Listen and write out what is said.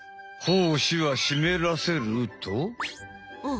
胞子はしめらせると？